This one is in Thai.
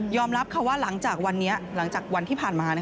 ยอมรับเขาว่าหลังจากวันนี้หลังจากวันที่ผ่านมานะคะ